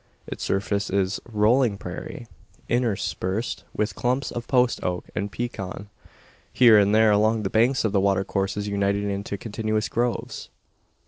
Its surface is "rolling prairie," interspersed with clumps of post oak and pecan, here and there along the banks of the watercourses uniting into continuous groves.